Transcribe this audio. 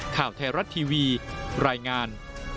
ข่าวไทยรัฐทีวีรายงาน